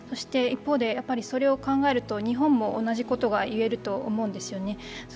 一方で、それを考えると日本も同じことが言えると思うんですよね。